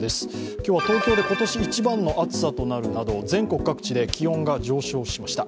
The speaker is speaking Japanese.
今日は東京で今年一番の暑さとなるなど、全国各地で気温が上昇しました。